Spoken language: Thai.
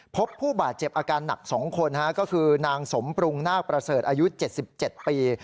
พบผู้บาดเจ็บอาการหนัก๒คนก็คือนางสมปรุงนาคประเสริฐอายุ๗๗ปี